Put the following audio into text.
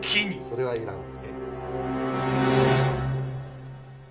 それはいらん。